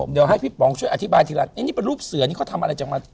เดี๋ยวให้พี่ป๋องช่วยอธิบายทีละนี่เป็นรูปเสือนี่เขาทำอะไรจากมา